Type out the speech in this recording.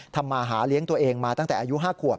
มาหาเลี้ยงตัวเองมาตั้งแต่อายุ๕ขวบ